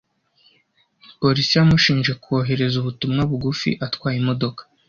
Polisi yamushinje kohereza ubutumwa bugufi atwaye imodoka.